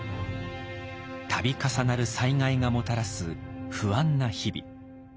度重なる災害がもたらす不安な日々。